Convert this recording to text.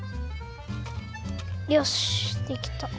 よしできた！